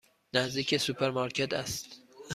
نزدیک سوپرمارکت است.